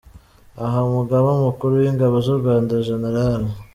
Aha, Umugaba mukuru w’ingabo z’u Rwanda Gen.